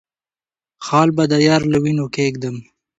خال به د يار له وينو کېږدم